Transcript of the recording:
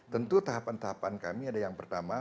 tentu tahapan tahapan kami ada yang pertama